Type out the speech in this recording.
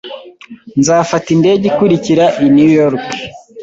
Nzafata indege ikurikira i New York.